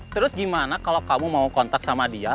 terus gimana kalau kamu mau kontak sama dia